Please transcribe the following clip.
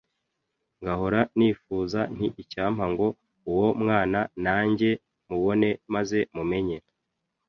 ngahora nifuza nti icyampa ngo uwo mwana na njye mubone maze mumenye